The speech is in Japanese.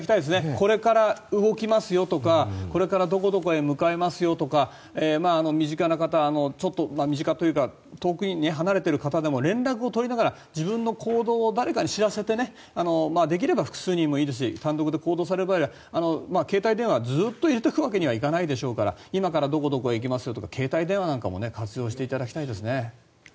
これから動きますよとかこれからどこどこへ向かいますよとか身近な方、身近というか遠くに離れている方でも連絡を取りながら自分の行動を誰かに知らせてできれば複数人もいいですし単独で行動する場合は携帯電話をずっと入れておくわけにはいかないでしょうから今からどこどこへ行きますとか携帯電話なんかも活用していただきたいですね。